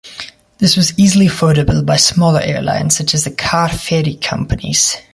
This was easily affordable by smaller airlines, such as the car ferry companies.